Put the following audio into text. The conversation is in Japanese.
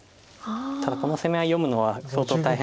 ただこの攻め合い読むのは相当大変。